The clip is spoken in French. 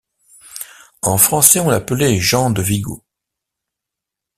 En français on l'appelait Jean de Vigo.